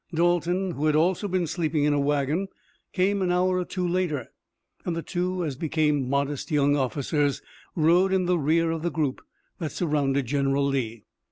Dalton, who had also been sleeping in a wagon, came an hour or two later, and the two, as became modest young officers, rode in the rear of the group that surrounded General Lee.